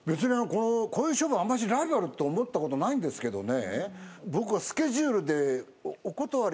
こういう商売あんましライバルって思ったことないんですけどね